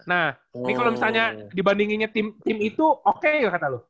nah ini kalau misalnya dibandinginnya tim itu oke yuk kata lu